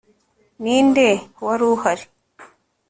ninde wari uhari